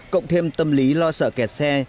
cộng thêm tâm lý lo sợ kẹt xe